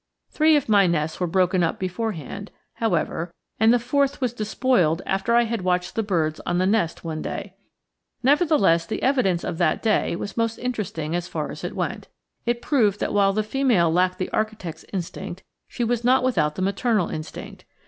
Three of my nests were broken up beforehand, however, and the fourth was despoiled after I had watched the birds on the nest one day. Nevertheless, the evidence of that day was most interesting as far as it went. It proved that while the female lacked the architect's instinct, she was not without the maternal instinct.